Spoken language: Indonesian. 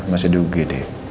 masih di ugd